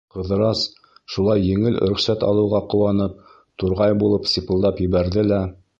Ҡыҙырас, шулай еңел рөхсәт алыуға ҡыуанып, турғай булып сипылдап ебәрҙе лә: